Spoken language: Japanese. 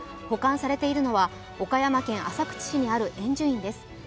保管されているのは、岡山県浅口市にある円珠院です。